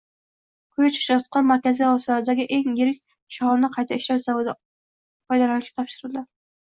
Quyi Chirchiqda Markaziy Osiyodagi eng yirik sholini qayta ishlash zavodi oydalanishga topshirildi